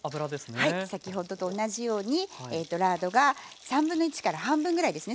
はい先ほどと同じようにラードが1/3から半分ぐらいですね